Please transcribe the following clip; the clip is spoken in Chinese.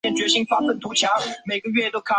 在附加赛中巴里奥斯俱乐部得胜的助力之一。